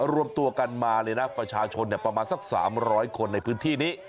รวมตัวกันมาเลยนะประชาชนประมาณสัก๓๐๐คนในพื้นที่นี้